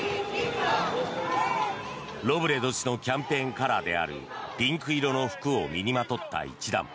ロブレド氏のキャンペーンカラーであるピンク色の服を身にまとった一団。